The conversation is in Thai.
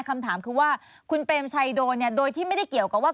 คำถามคือว่าคุณเปรมชัยโดนเนี่ยโดยที่ไม่ได้เกี่ยวกับว่า